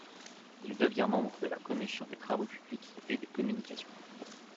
Il devient membre de la commission des Travaux publics et des communications.